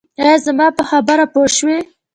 ایا زما په خبره پوه شوئ؟